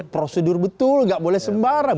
prosedur betul nggak boleh sembarang